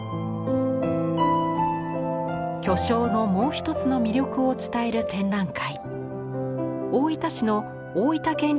巨匠のもう一つの魅力を伝える展覧会。